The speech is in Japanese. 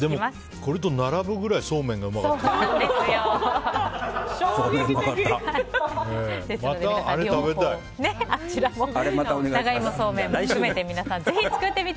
これと並ぶぐらいそうめんがうまかった。